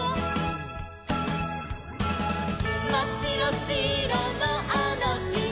「まっしろしろのあのしまに」